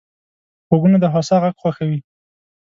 غوږونه د هوسا غږ خوښوي